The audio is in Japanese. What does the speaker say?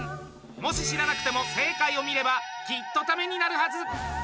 もし知らなくても、正解を見ればきっとタメになるはず！